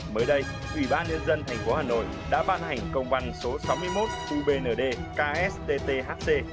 mới đây ủy ban liên dân thành phố hà nội đã ban hành công văn số sáu mươi một ubnd kstthc